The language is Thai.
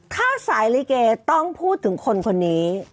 ถ้าสายลิเกต้องพูดถึงคนคนนี้